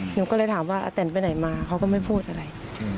หนูก็เลยถามว่าอาแตนไปไหนมาเขาก็ไม่พูดอะไร